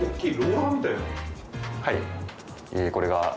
はい。